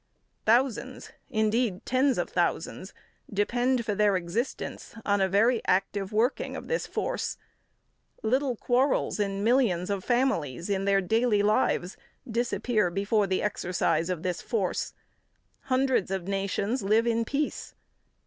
Thousands, indeed, tens of thousands, depend for their existence on a very active working of this force. Little quarrels of millions of families in their daily lives disappear before the exercise of this force. Hundreds of nations live in peace.